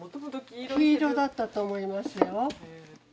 黄色だったと思いますよ。